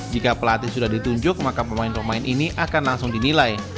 jika pelatih sudah ditunjuk maka pemain pemain ini akan langsung dinilai